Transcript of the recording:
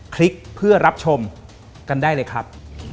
คลิกเพื่อรับชมกันได้เลยครับ